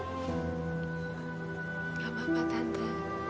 gak apa apa tante